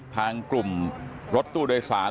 ทางกลุ่มรถตู้โดยสาร